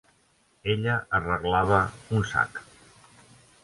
Ella arreglava un sac.